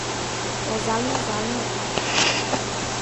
— Озаҥ Озаҥак!